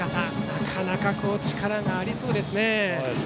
なかなか力がありそうですね。